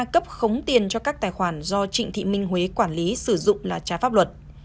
cấp khống tiền cho các tài khoản do trịnh thị minh huế quản lý sử dụng là trái pháp luật